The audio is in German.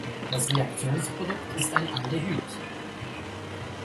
Das Reaktionsprodukt ist ein Aldehyd.